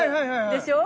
でしょう？